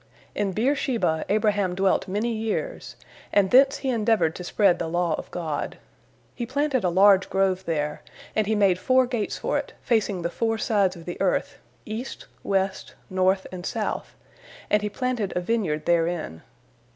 In Beer sheba Abraham dwelt many years, and thence he endeavored to spread the law of God. He planted a large grove there, and he made four gates for it, facing the four sides of the earth, east, west, north, and south, and he planted a vineyard therein.